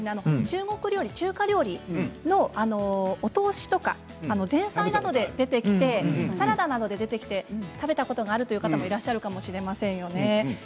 中国料理のお通しとか前菜などで出てきてサラダなどで出てきて食べたことあるという方もいらっしゃるかもしれませんよね。